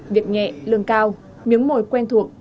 việc nhẹ lương cao miếng mồi quen thuộc